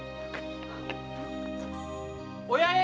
・お八重！